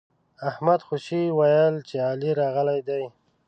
احمد خوشي ويل چې علي راغلی دی.